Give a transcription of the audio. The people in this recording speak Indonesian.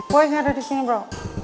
boy gak ada di sini bro